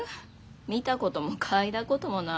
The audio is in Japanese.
見たことも嗅いだこともない。